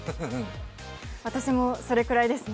私もそれくらいですね。